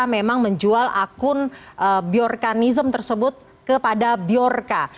memang menjual akun biorkanism tersebut kepada biorka